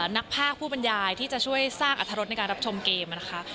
นักภาคผู้บรรยายที่จะช่วยสร้างอรรถรสในการรับชมเกมนะคะ